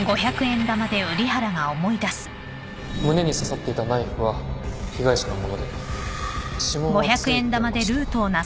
胸に刺さっていたナイフは被害者の物で指紋は付いてました